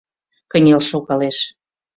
Кынел шогалеш.